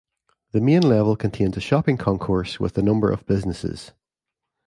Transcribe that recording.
The main level contains a shopping concourse with a number of businesses.